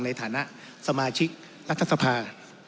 ในฐานะสมาชิกรัฐสภา